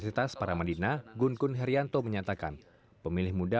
soalnya kan sebagai warga negara yang baik juga